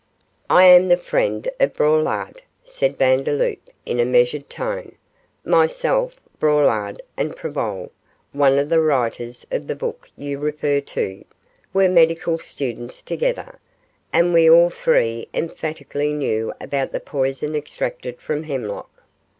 'I am the friend of Braulard,' said Vandeloup, in a measured tone. 'Myself, Braulard, and Prevol one of the writers of the book you refer to were medical students together, and we all three emphatically knew about this poison extracted from hemlock.